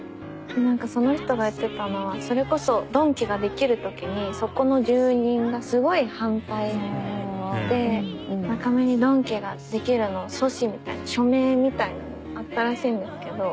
なんかその人が言ってたのはそれこそドンキができるときにそこの住人がすごい反対してなかめにドンキができるの阻止みたいな署名みたいなのあったらしいんですけど。